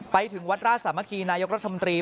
ไปถึงวัดราชสามัคคีนายกรัฐมนตรี